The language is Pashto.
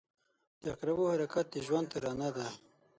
• د عقربو حرکت د ژوند ترانه ده.